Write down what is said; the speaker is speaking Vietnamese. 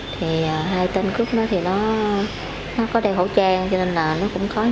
thì hai tên cướp đó thì nó có đeo khẩu trang cho nên là nó cũng khó